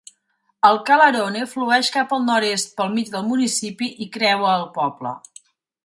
El Chalaronne flueix cap al nord-oest pel mig del municipi y creua el poble.